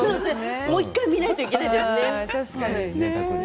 もう一度見ないといけないですね。